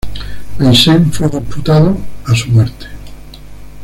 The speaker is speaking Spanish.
Meissen fue disputado a su muerte.